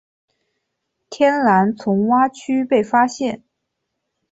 天蓝丛蛙区被发现。